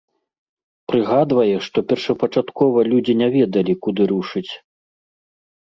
Прыгадвае, што першапачаткова людзі не ведалі, куды рушыць.